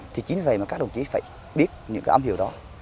thì chính vì vậy mà các đồng chí phải biết những cái âm hiệu đó